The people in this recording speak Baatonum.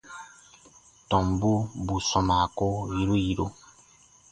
Tɔmbu bù sɔmaa ko yiru yiru.